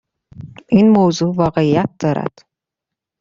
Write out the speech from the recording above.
این موضوع واقعیت دارد.